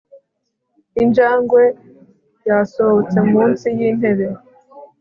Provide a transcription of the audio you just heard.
injangwe yasohotse munsi yintebe